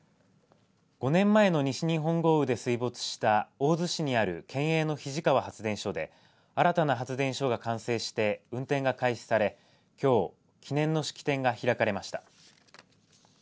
５年前の西日本豪雨で水没した大洲市にある県営の肱川発電所で新たな発電所が完成して運転が開始されきょう、記念の式典が開かれました。